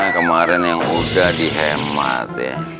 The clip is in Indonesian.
kemarin yang udah dihemat ya